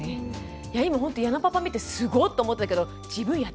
いや今ほんと矢野パパ見てすごっ！と思ってたけど自分やってました。